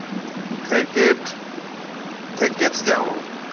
ٿَي ڪيٿ جاو هون۔